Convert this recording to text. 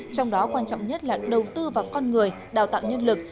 trong đó quan trọng nhất là đầu tư vào con người đào tạo nhân lực